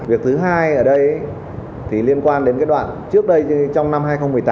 việc thứ hai ở đây thì liên quan đến cái đoạn trước đây trong năm hai nghìn một mươi tám